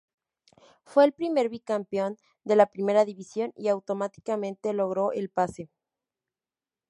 Fue el primer bicampeón de la Primera División y automáticamente logró el pase.